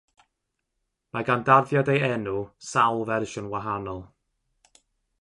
Mae gan darddiad ei enw sawl fersiwn wahanol.